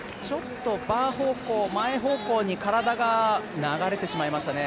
バー方向、前方向に体が流れてしまいましたね。